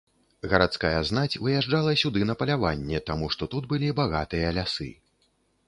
Гарадская знаць выязджала сюды на паляванне, таму што тут былі багатыя лясы.